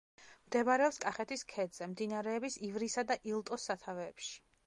მდებარეობს კახეთის ქედზე, მდინარეების ივრისა და ილტოს სათავეებში.